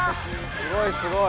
すごいすごい。